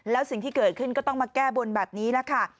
แล้วสิ่งที่เกิดขึ้นก็ต้องมาแก้บนแบบนี้แหละค่ะ